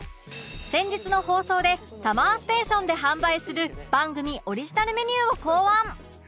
先日の放送で ＳＵＭＭＥＲＳＴＡＴＩＯＮ で販売する番組オリジナルメニューを考案